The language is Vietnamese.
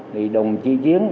thì đồng chí chiến